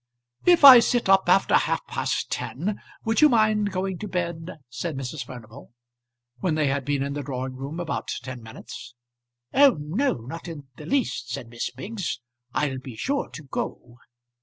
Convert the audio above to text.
"If I sit up after half past ten would you mind going to bed?" said Mrs. Furnival, when they had been in the drawing room about ten minutes. "Oh no, not in the least," said Miss Biggs. "I'll be sure to go."